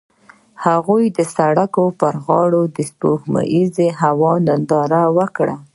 هغوی د سړک پر غاړه د سپوږمیز هوا ننداره وکړه.